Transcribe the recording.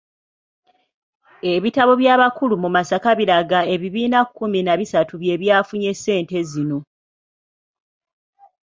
Ebitabo by'abakulu mu Masaka biraga ebibiina kkumi na bisatu bye byafunye ssente zino